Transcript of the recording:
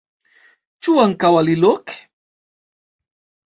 Ĉu ankaŭ aliloke?